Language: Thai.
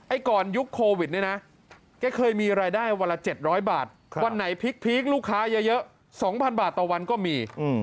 ก่อนยุคโควิดเนี่ยนะแกเคยมีรายได้วันละ๗๐๐บาทวันไหนพีคลูกค้าเยอะ๒๐๐บาทต่อวันก็มี